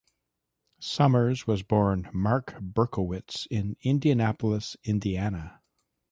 Summers was born Marc Berkowitz in Indianapolis, Indiana.